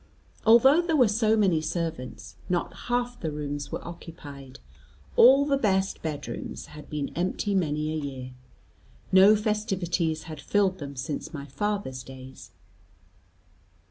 Although there were so many servants, not half the rooms were occupied: all the best bedrooms had been empty many a year. No festivities had filled them since my father's days.